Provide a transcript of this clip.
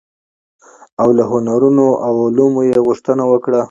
او له هنرونو او علومو يې غوښتنه وکړه،